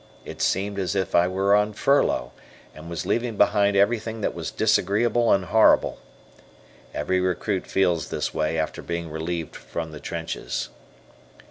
It seemed as if I were on furlough, and was leaving behind everything that was disagreeable and horrible. Every recruit feels this way after being relieved from the trenches.